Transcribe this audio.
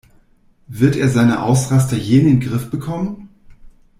Wird er seine Ausraster je in den Griff bekommen?